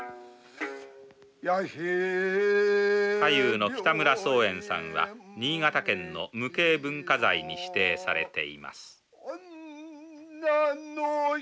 太夫の北村宗演さんは新潟県の無形文化財に指定されています